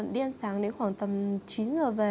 đi ăn sáng đến khoảng tầm chín giờ về